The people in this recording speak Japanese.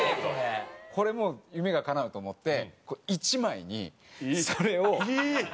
これもう夢がかなうと思って１枚にそれをてんこ盛りでのせて。